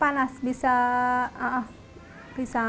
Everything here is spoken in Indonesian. jadi dia sudah bisa mengeluarkan panas